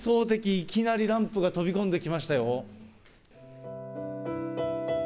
いきなりランプが飛び込んできましたよ。